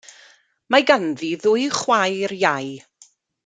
Mae ganddi ddwy chwaer iau.